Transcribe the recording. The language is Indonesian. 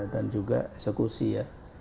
dan juga eksekusi ya